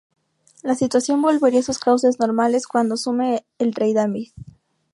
La situación volvería a sus cauces "normales" cuando asume el rey David.